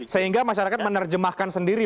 sehingga masyarakat menerjemahkan sendiri